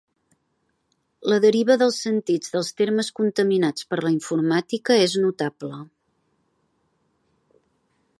La deriva dels sentits dels termes contaminats per la informàtica és notable.